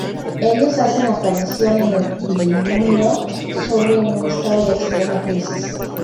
Ellos hacen aparición en el Digimundo solo en un estado de extrema crisis.